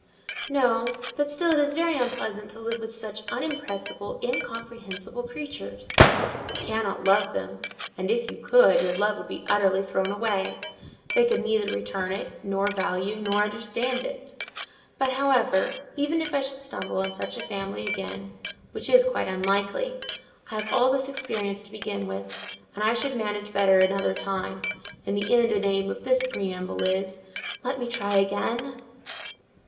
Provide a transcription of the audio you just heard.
"No, but still it is very unpleasant to live with such unimpressible, incomprehensible creatures. You cannot love them; and if you could, your love would be utterly thrown away: they could neither return it, nor value, nor understand it. But, however, even if I should stumble on such a family again, which is quite unlikely, I have all this experience to begin with, and I should manage better another time; and the end and aim of this preamble is, let me try again."